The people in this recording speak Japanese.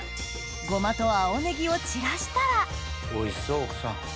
ゴマと青ネギを散らしたらおいしそう奥さん。